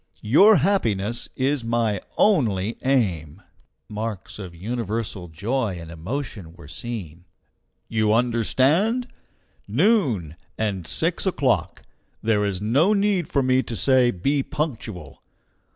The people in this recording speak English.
Your happiness is my only aim." (Marks of universal joy and emotion.) "You understand? Noon, and six o'clock! There is no need for me to say be punctual!